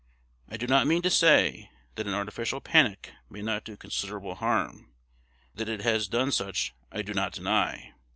I do not mean to say that an artificial panic may not do considerable harm: that it has done such I do not deny.